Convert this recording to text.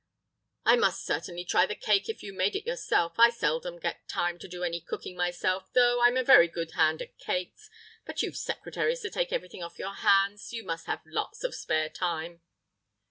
"I must certainly try the cake if you made it yourself. I seldom get time to do any cooking myself, though I'm a very good hand at cakes. But you've secretaries to take everything off your hands; you must have lots of spare time."